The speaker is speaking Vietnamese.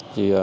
thứ hai là